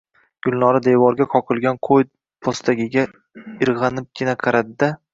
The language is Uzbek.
Gulnora devorga qoqilgan qoʼy poʼstagiga irganibgina qaradi-da